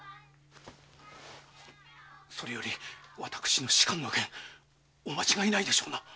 それより私の仕官の件お間違いないでしょうな。